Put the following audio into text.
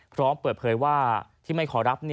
พร้อมเปิดเผยว่าที่ไม่ขอรับ